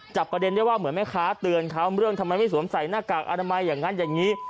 ประเด็นได้ว่าเหมือนแม่ค้าเตือนเขาเรื่องทำไมไม่สวมใส่หน้ากากอนามัยอย่างนั้นอย่างนี้